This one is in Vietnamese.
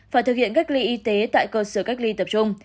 phải thực hiện gác ly y tế tại cơ sở gác ly tập trung